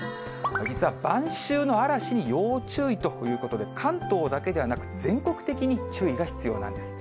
実は晩秋の嵐に要注意ということで、関東だけではなく、全国的に注意が必要なんです。